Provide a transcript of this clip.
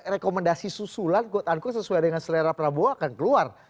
rekomendasi susulan kotanku sesuai dengan selera prabowo akan keluar